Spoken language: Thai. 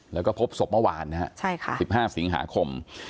แล้วก็พบศพเมื่อวานนะฮะใช่ค่ะสิบห้าสิงหาคม